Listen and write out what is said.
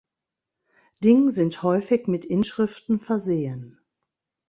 Ding sind häufig mit Inschriften versehen.